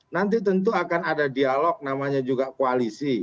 nanti tentu akan ada dialog namanya juga koalisi